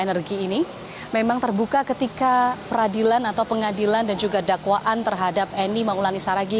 energi ini memang terbuka ketika peradilan atau pengadilan dan juga dakwaan terhadap eni maulani saragi